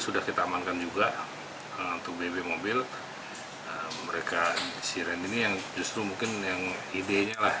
sudah kita amankan juga untuk bb mobil mereka siren ini yang justru mungkin yang idenya lah